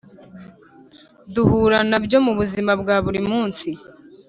duhura na byo mubuzima bwaburi munsi